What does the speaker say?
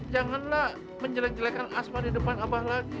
janganlah menjelek jelekan asma di depan apa lagi